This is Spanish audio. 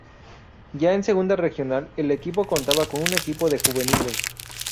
Ya en Segunda Regional el equipo contaba con un equipo de juveniles.